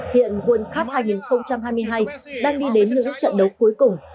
hiện world cup hai nghìn hai mươi hai đang đi đến những trận đấu cuối cùng